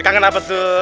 kangen apa tuh